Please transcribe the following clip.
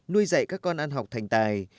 nuôi dạy các con ăn học thành tài